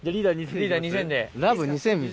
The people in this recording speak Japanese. リーダー２０００で。